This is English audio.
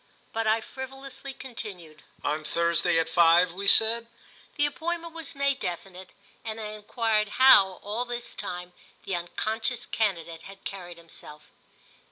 But I frivolously, continued. "On Thursday at five, we said?" The appointment was made definite and I enquired how, all this time, the unconscious candidate had carried himself.